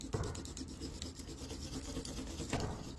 আমি আপনার চরণে মাথা পেতে দিতে চাই!